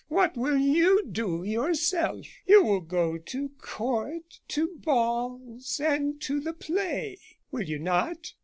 What will you do, yourself? You will go to Court, to balls, and to the play, will you not?